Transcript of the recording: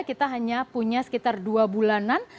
kita hanya punya sekitar dua bulanan